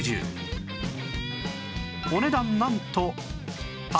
お値段なんと